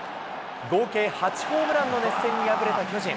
合計８ホームランの熱戦に敗れた巨人。